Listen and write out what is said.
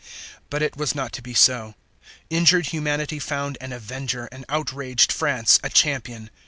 But it was not to be so. Injured humanity found an avenger, and outraged France a champion.